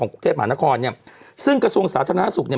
กรุงเทพมหานครเนี่ยซึ่งกระทรวงสาธารณสุขเนี่ย